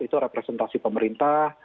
itu representasi pemerintah